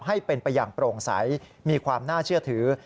ให้เป็นไปอย่างโปร่งใสมีความน่าเชื่อถือ